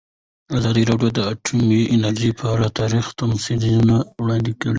ازادي راډیو د اټومي انرژي په اړه تاریخي تمثیلونه وړاندې کړي.